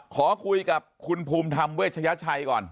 ขอคุยกับคุณภูมิธรรมเวชยชัยก่อน